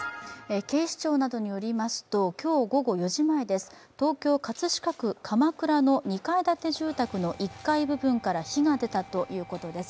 警視庁などによりますと今日午後４時前、東京・葛飾区鎌倉の２階建て住宅の１階部分から火が出たということです。